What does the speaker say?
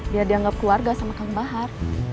dia dianggap keluarga sama kang bahar